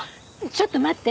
ちょっと待って！